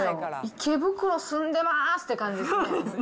池袋住んでますって感じですね。